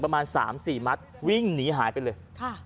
ประมาณ๓๔มัดวิ่งหนีหายไปเลย